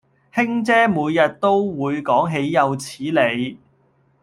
卿姐每日都會講豈有此理